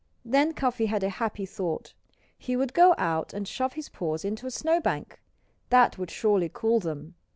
Then Cuffy had a happy thought. He would go out and shove his paws into a snowbank. That would surely cool them.